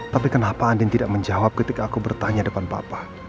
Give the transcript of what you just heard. tapi kenapa andin tidak menjawab ketika aku bertanya depan bapak